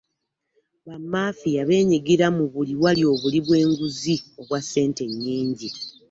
Bamafiya beenyigira mu buli wali obuli bw'enguzi obwa ssente ennyingi